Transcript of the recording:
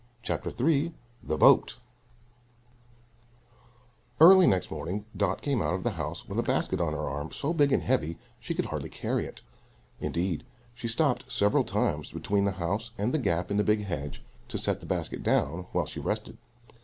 CHAPTER 3 THE BOAT Early next morning Dot came out of the house with a basket on her arm so big and heavy she could hardly carry it. Indeed, she stopped several times between the house and the gap in the big hedge to set the basket down while she rested.